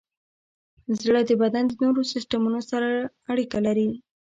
زړه د بدن د نورو سیستمونو سره اړیکه لري.